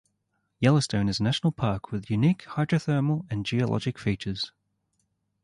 Yellowstone is a national park with unique hydrothermal and geologic features.